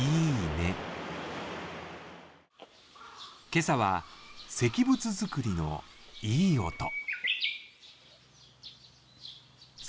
今朝は石仏作りのいい音。